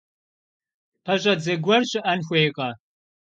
ПэщӀэдзэ гуэр щыӀэн хуейкъэ?